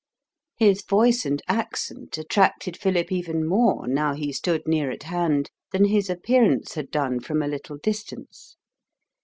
His voice and accent attracted Philip even more now he stood near at hand than his appearance had done from a little distance.